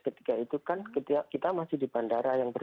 ketika itu kan kita masih di bandara yang berbeda